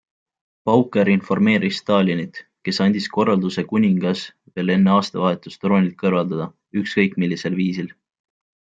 Pauker informeeris Stalinit, kes andis korralduse kuningas veel enne aastavahetust troonilt kõrvaldada, ükskõik millisel viisil.